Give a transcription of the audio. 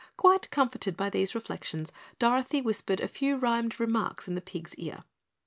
Quite comforted by these reflections, Dorothy whispered a few rhymed remarks in the pig's ear.